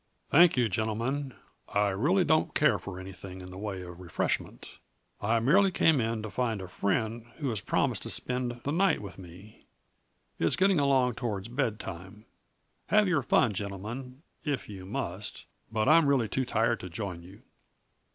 "Thank you, gentlemen. I really don't care for anything in the way of refreshment. I merely came in to find a friend who has promised to spend the night with me. It is getting along toward bedtime. Have your fun, gentlemen, if you must but I am really too tired to join you."